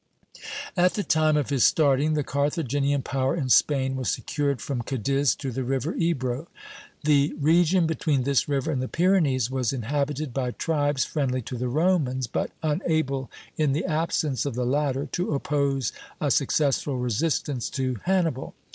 At the time of his starting, the Carthaginian power in Spain was secured from Cadiz to the river Ebro. The region between this river and the Pyrenees was inhabited by tribes friendly to the Romans, but unable, in the absence of the latter, to oppose a successful resistance to Hannibal.